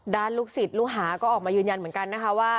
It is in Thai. ลูกศิษย์ลูกหาก็ออกมายืนยันเหมือนกันนะคะว่า